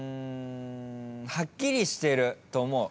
はっきりしてると思う。